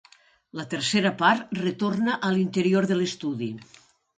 La tercera part retorna a l'interior de l'estudi.